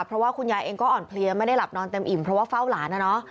เพราะว่าคุณยายเองก็อ่อนเพลียไม่ได้หลับนอนเต็มอิ่มเพราะว่าเฝ้าหลานนะเนาะ